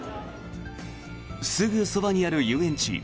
すぐそばにある遊園地